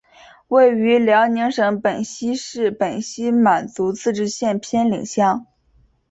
位于辽宁省本溪市本溪满族自治县偏岭乡。